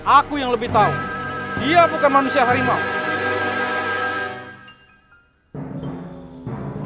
aku yang lebih tahu dia bukan manusia harimau